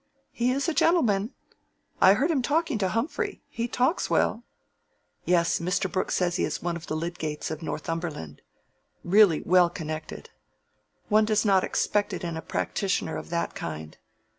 "He is a gentleman. I heard him talking to Humphrey. He talks well." "Yes. Mr. Brooke says he is one of the Lydgates of Northumberland, really well connected. One does not expect it in a practitioner of that kind.